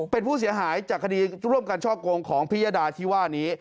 เป็นผู้เสียหายจากคดีร่วมกันช่อโกงของพิยดาที่ว่านี้